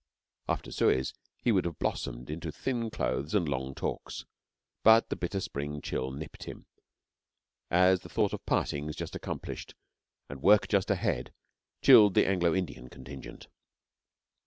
After Suez he would have blossomed into thin clothes and long talks, but the bitter spring chill nipped him, as the thought of partings just accomplished and work just ahead chilled the Anglo Indian contingent.